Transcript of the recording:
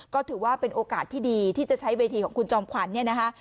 ก็ถือว่าเป็นโอกาสที่ดีที่จะใช้เวทีของคุณจอมขวัญเนี่ยนะคะ